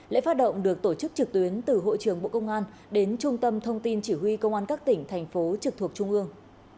lễ phát động được tổ chức trực tuyến từ hội trưởng bộ công an đến trung tâm thông tin chỉ huy công an các tỉnh thành phố trực thuộc trung ương